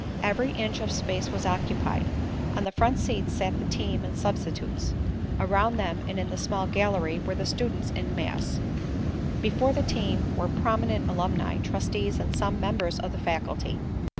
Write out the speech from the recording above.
Every inch of space was occupied. On the front seats sat the team and substitutes. Around them and in the small gallery were the students in mass. Before the team were prominent alumni, trustees and some members of the faculty.